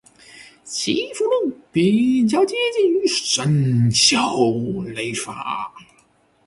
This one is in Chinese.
其符箓比较接近于神霄雷法。